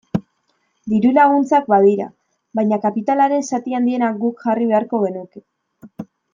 Diru-laguntzak badira, baina kapitalaren zati handiena guk jarri beharko genuke.